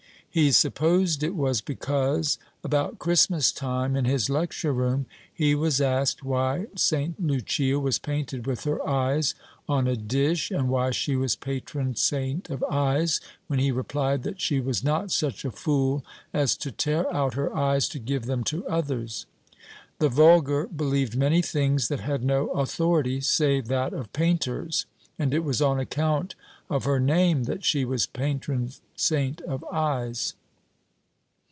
He supposed it was because, about Christmas time, in his lecture room, he was asked why St. Lucia was painted with her eyes on a dish and why she was patron saint of eyes, when he replied that she was not such a fool as to tear out her eyes to give them to others; the vulgar believed many things tliat had no authority save that of painters, and it was on account of her name that she was patron saint of eyes.